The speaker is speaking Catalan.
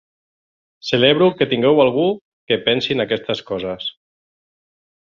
Celebro que tingueu algú que pensi en aquestes coses.